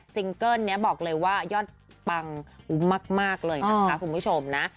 เกิ้ลนี้บอกเลยว่ายอดปังคุ้มมากเลยนะคะคุณผู้ชมนะ